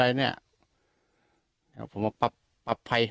ไหนเนี้ยหลังจากนั้นผมมาปรับ